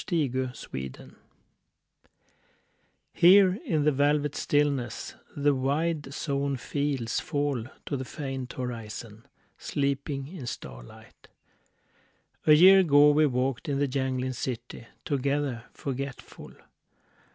THE INDIA WHARF HERE in the velvet stillness The wide sown fields fall to the faint horizon, Sleeping in starlight. ... A year ago we walked in the jangling city Together .... forgetful.